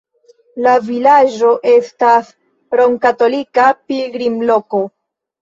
La vilaĝo estas romkatolika pilgrimloko.